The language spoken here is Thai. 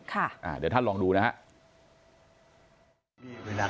เดี๋ยวท่านลองดูนะครับ